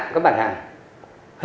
hết sức phức tạp và ngay càng tinh vi